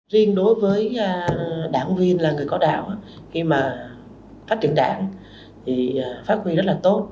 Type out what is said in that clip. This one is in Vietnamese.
riêng đối với đảng viên là người có đạo khi mà phát triển đảng thì phát huy rất là tốt